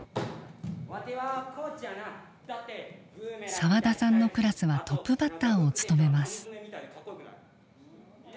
澤田さんのクラスはトップバッターを務めます。